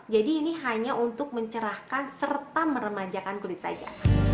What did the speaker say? jadi ini hanya untuk mencerahkan serta meremajakan kulit saja